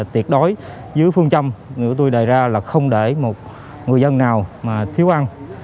tiệt đối dưới phương châm nếu tôi đề ra là không để một người dân nào mà thiếu ăn